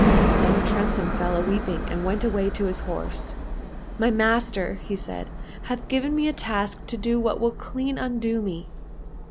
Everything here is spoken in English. — Then Tremsin fell a weeping and went away to his horse. " My master," said he, " hath given me a task to do that will clean undo me."